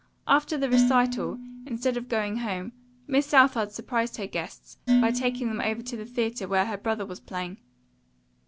After the recital, instead of going home, Miss Southard surprised her guests by taking them over to the theatre where her brother was playing.